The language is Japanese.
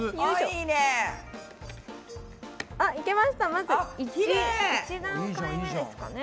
まず１段階目ですかね。